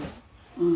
うん」